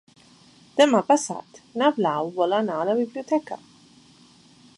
Demà passat na Blau vol anar a la biblioteca.